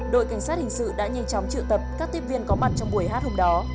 đội cảnh sát hình sự đã nhanh chóng trự tập các tiếp viên có mặt trong buổi hát hôm đó